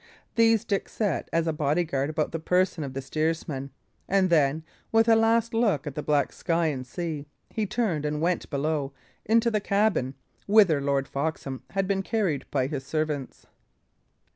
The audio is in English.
These Dick set, as a body guard, about the person of the steersman, and then, with a last look at the black sky and sea, he turned and went below into the cabin, whither Lord Foxham had been carried by his servants.